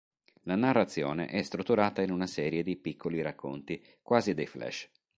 La narrazione è strutturata in una serie di piccoli racconti, quasi dei flash.